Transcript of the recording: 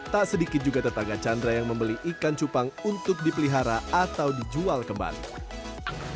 tak sedikit juga tetangga chandra yang membeli ikan cupang untuk dipelihara atau dijual kembali